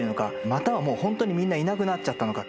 またはもうほんとにみんないなくなっちゃったのか。